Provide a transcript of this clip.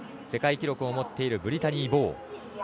世界記録を持っているブリタニー・ボウ。